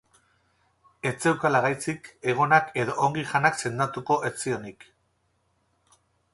Ez zeukala gaitzik, egonak eta ongi janak sendatuko ez zionik.